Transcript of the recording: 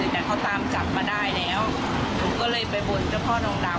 แต่เขาตามจับมาได้แล้วหนูก็เลยไปบ่นเจ้าพ่อนองดาว